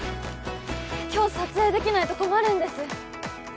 今日撮影できないと困るんです